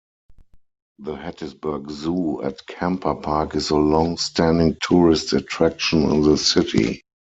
The Hattiesburg Zoo at Kamper Park is a longstanding tourist attraction in the city.